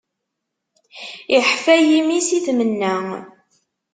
Iḥfa yimi, si tmenna.